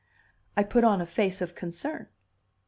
I put on a face of concern.